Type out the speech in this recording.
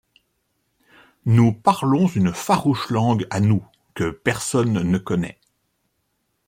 Nous parlons une farouche langueà nous que personne ne connaît.